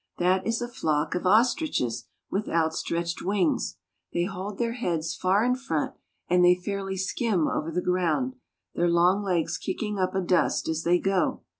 That is a flock of ostriches with outstretched wings. They hold their heads far in front, and they fairly skim over the ground, their long legs kicking up a dust as they go.